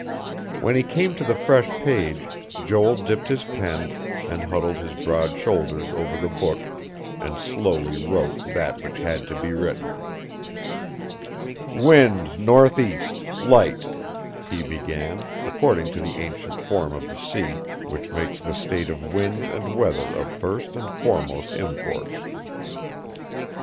When he came to the fresh page, Joel dipped his pen, and huddled his broad shoulders over the book, and slowly wrote that which had to be written. "Wind northeast, light," he began, according to the ancient form of the sea, which makes the state of wind and weather of first and foremost import.